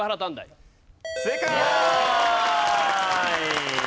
正解！